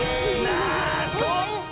あそっか！